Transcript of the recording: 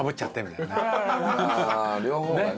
あ両方がね。